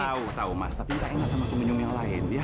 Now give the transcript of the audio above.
tau tau mas tapi ga inget sama gue minum yang lain ya